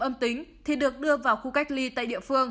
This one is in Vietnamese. âm tính thì được đưa vào khu cách ly tại địa phương